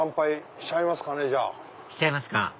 しちゃいますか